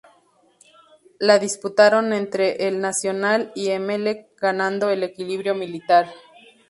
La disputaron entre El Nacional y Emelec, ganando el equipo militar.